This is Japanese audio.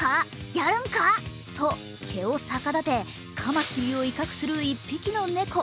やるんかっっ！？と毛を逆立てカマキリを威嚇する一匹の猫。